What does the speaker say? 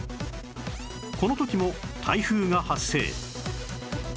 この時も台風が発生